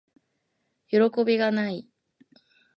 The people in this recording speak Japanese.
よろこびがない～